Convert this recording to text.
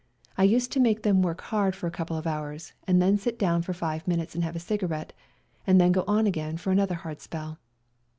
I used to make them work hard for a couple of hours, and then sit down for five minutes and have a cigarette, and then go on again for another hard spell.